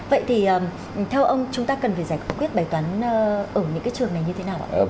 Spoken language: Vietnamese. vậy thì theo ông chúng ta cần phải giải quyết bài toán ở những cái trường này như thế nào ạ